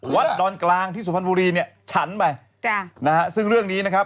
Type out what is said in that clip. ดอนกลางที่สุพรรณบุรีเนี่ยฉันไปจ้ะนะฮะซึ่งเรื่องนี้นะครับ